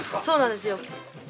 そうなんですよ。